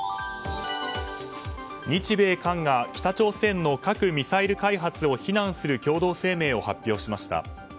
日米韓が北朝鮮の核・ミサイル開発を非難する共同声明を発表しました。